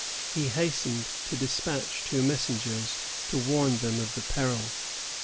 He hastened to despatch two messengers to warn them of the peril.